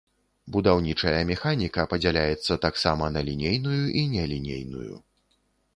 Будаўнічая механіка падзяляецца таксама на лінейную і нелінейную.